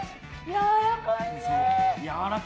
やわらかいね。